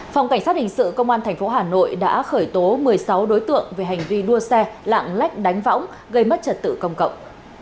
phòng cảnh sát hình sự công an tp hà nội đã khởi tố một mươi sáu đối tượng về hành vi đua xe lạng lách đánh võng gây mất trật tự công cộng